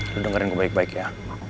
lu dengerin gua baik baik ya